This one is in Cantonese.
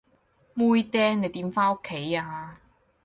妹釘，你點返屋企啊？